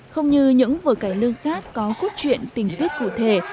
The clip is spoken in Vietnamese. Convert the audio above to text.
không như những vở cải lương khác có khuất truyện tình thức cụ thể